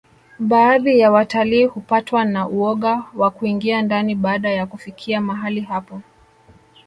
baadhi ya watalii hupatwa na uoga wa kuingia ndani baada ya kufikia mahali hapo